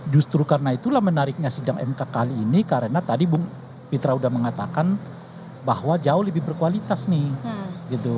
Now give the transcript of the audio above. justru karena itulah menariknya sidang mk kali ini karena tadi bung pitra sudah mengatakan bahwa jauh lebih berkualitas nih